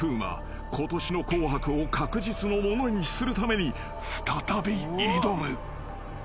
［ことしの『紅白』を確実のものにするために再び挑む］